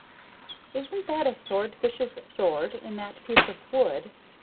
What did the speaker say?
"Isn't that a sword fish's sword in that piece of wood?"